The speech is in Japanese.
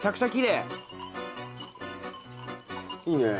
いいね。